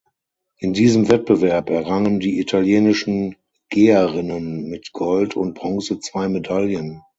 In diesem Wettbewerb errangen die italienischen Geherinnen mit Gold und Bronze zwei Medaillen.